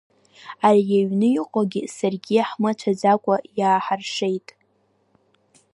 Ари аҩны иҟоугьы саргьы ҳмыцәаӡакәа иааҳаршеит.